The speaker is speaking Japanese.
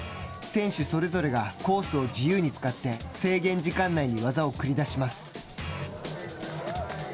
選手それぞれがコースを自由に使って制限時間内に技を繰り出します。